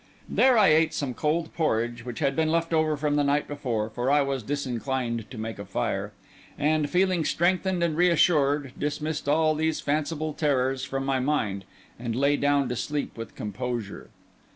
There I ate some cold porridge which had been left over from the night before, for I was disinclined to make a fire; and, feeling strengthened and reassured, dismissed all these fanciful terrors from my mind, and lay down to sleep with composure.